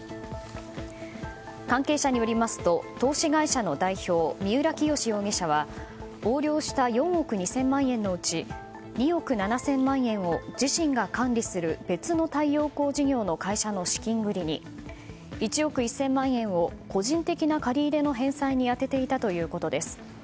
関係者によりますと投資会社の代表三浦清志容疑者は横領した４億２０００万円のうち２億７０００万円を自身が管理する別の太陽光事業の会社の資金繰りに１億１０００万円を個人的な借り入れの返済に充てていたということです。